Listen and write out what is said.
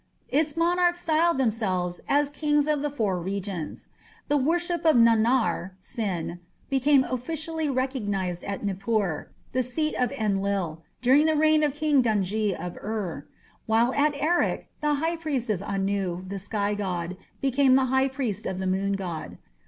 Its monarchs styled themselves as "Kings of the Four Regions". The worship of Nannar (Sin) became officially recognized at Nippur, the seat of Enlil, during the reign of King Dungi of Ur; while at Erech, the high priest of Anu, the sky god, became the high priest of the moon god.